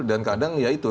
dan kadang ya itu